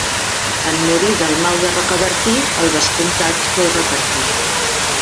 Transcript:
En morir Dalmau de Rocabertí, el vescomtat fou repartit.